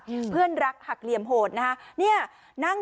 อืมเพื่อนรักหักเหลี่ยมโหดนะฮะเนี้ยนั่ง